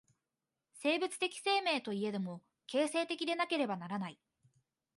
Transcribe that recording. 生物的生命といえども、形成的でなければならない。